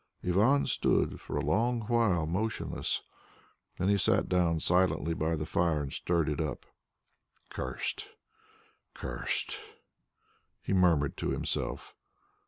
Ivan stood for a long while motionless, then he sat down silently by the fire and stirred it up. "Cursed cursed," he murmured to himself.